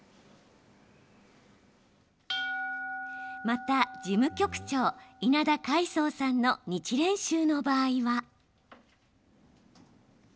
また、事務局長稲田海聡さんの日蓮宗の場合は。